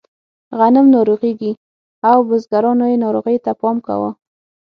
غنم ناروغېږي او بزګرانو یې ناروغیو ته پام کاوه.